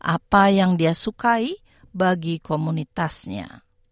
apa yang dia sukai bagi komunitasnya